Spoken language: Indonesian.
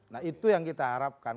nah itu yang kita harapkan